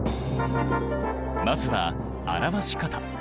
まずは表し方。